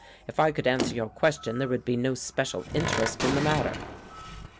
If I could answer your question there would be no special interest in the matter."